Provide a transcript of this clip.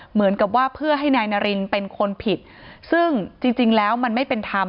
เหมือนกับว่าเพื่อให้นายนารินเป็นคนผิดซึ่งจริงแล้วมันไม่เป็นธรรม